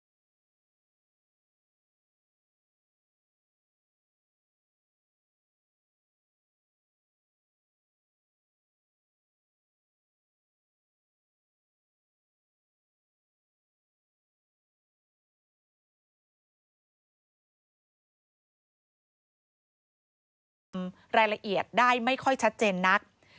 โปรดติดตามต่างกรรมโปรดติดตามต่างกรรม